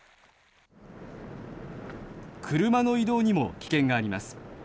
車の移動にも危険があります。